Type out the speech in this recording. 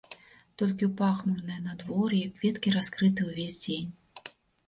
Толькі ў пахмурнае надвор'е кветкі раскрыты ўвесь дзень.